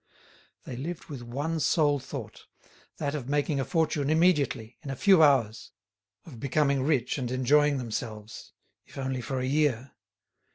They lived with one sole thought—that of making a fortune immediately, in a few hours—of becoming rich and enjoying themselves, if only for a year.